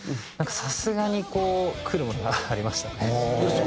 さすがにこうくるものがありましたね。